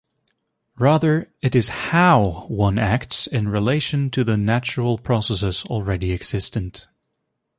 Rather, it is "how" one acts in relation to the natural processes already existent.